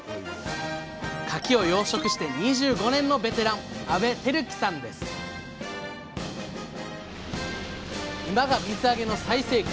かきを養殖して２５年のベテラン今が水揚げの最盛期。